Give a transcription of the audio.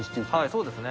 そうですね。